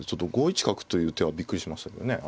５一角という手はびっくりしましたけどね。